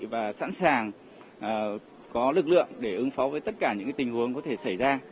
và sẵn sàng có lực lượng để ứng phó với tất cả những tình huống có thể xảy ra